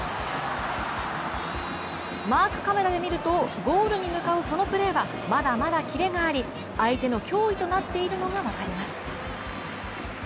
マークカメラで見るとゴールに向かうそのプレーはまだまだキレがあり相手の脅威となっているのが分かります。